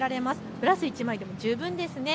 ブラウス１枚でも十分ですね。